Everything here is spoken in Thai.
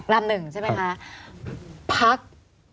ลามหนึ่งใช่ไหมคะ